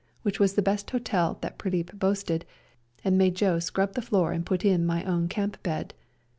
which was. the best hotel that Prilip boasted, and made Joe scrub the floor and put in my own camp bed.